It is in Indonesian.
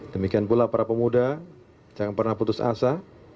demikian pula para pemuda jangan pernah putus asa